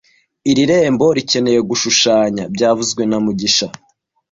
Iri rembo rikeneye gushushanya byavuzwe na mugisha